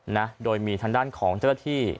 นะโดยมีทางด้านของ๕๐๐๐ชักที่